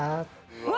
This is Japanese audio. うわ！